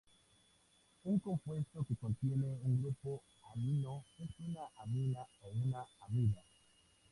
Un compuesto que contiene un grupo amino es una amina o una amida.